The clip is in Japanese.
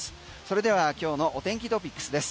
それでは今日のお天気トピックスです。